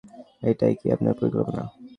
এটাই কী আপনার পরিকল্পনা?